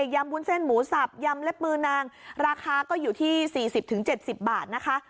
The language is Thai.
ยำบุญเส้นหมูสับยำเล็บมือนางราคาก็อยู่ที่สี่สิบถึงเจ็ดสิบบาทนะคะ